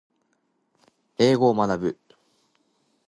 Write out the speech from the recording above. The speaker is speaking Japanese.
英語を学ぶ